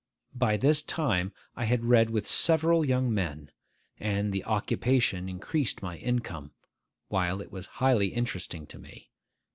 By this time I had read with several young men; and the occupation increased my income, while it was highly interesting to me.